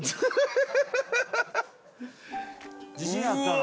自信あったの。